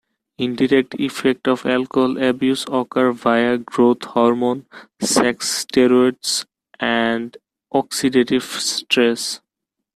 Indirect effects of alcohol abuse occur via growth hormone, sex steroids, and oxidative stress.